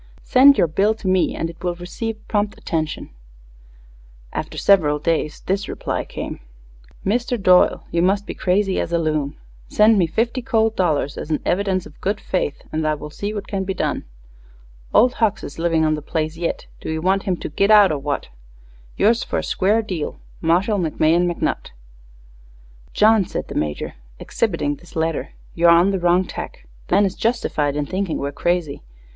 Send your bill to me and it will receive prompt attention_. After several days this reply came: _Mister Doyle you must be crazy as a loon. Send me fifty cold dollars as an evvidence of good fayth and I wull see what can be done. Old Hucks is livin on the place yit do you want him to git out or what? Yours fer a square deal Marshall McMahon McNutt_. "John," said the Major, exhibiting this letter, "you're on the wrong tack. The man is justified in thinking we're crazy.